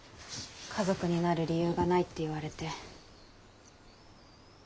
「家族になる理由がない」って言われて。